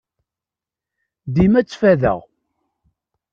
Dima ttfadeɣ.